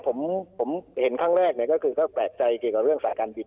แต่ผมเห็นขั้นแรกคือแปลกใจเกี่ยวกับสายการบิน